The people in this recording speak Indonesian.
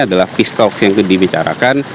adalah peace talk yang dibicarakan